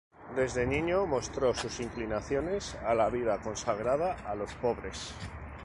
Desde niño mostró sus inclinaciones a la vida consagrada a los pobres.